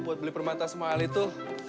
untuk membeli permata semua hal itu